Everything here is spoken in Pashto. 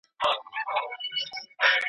په پوره ایماندارۍ.